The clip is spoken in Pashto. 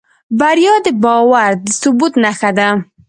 بریا د باور د ثبوت نښه ده.